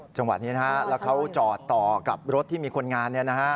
จังหวะนี้นะฮะแล้วเขาจอดต่อกับรถที่มีคนงาน